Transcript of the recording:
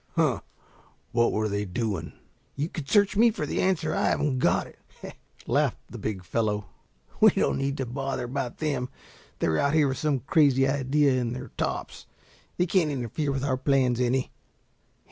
"Huh! What were they doing!" "You can search me for the answer. I haven't got it," laughed the big fellow. "We don't need to bother about them. They're out here with some crazy idea in their tops. They can't interfere with our plans any."